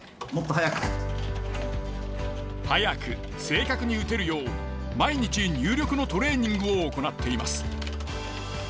速く正確に打てるよう毎日入力のトレーニングを行っています。